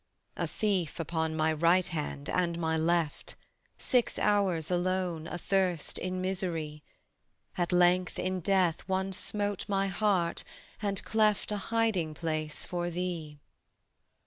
A thief upon My right hand and My left; Six hours alone, athirst, in misery: At length in death one smote My heart and cleft A hiding place for thee.